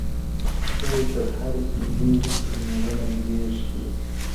ښه وو تر هري سلگۍ وروسته دي نيولم غېږ کي،